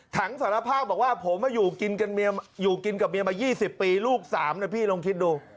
ถังสารภาพบอกว่าผมมาอยู่กินกับเมียมา๒๐ปีลูก๓นะพี่ลงคิดดู